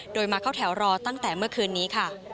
โดยมาเข้าแถวรอตั้งแต่เมื่อคืนนี้ค่ะ